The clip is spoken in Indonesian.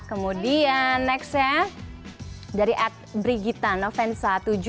kemudian nextnya dari at brigitanovensa tujuh